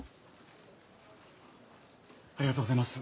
ありがとうございます。